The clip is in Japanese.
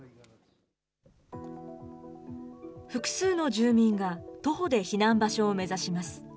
複数の住民が、徒歩で避難場所を目指します。